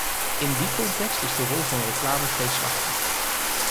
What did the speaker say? In die context is de rol van reclame tweeslachtig.